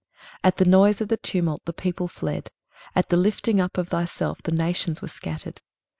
23:033:003 At the noise of the tumult the people fled; at the lifting up of thyself the nations were scattered.